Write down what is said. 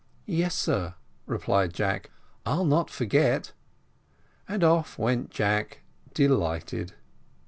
"Yes, sir," replied Jack, "I'll not forget;" and off went Jack, delighted.